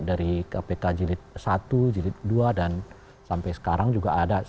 dari kpk jilid satu jilid dua dan sampai sekarang juga ada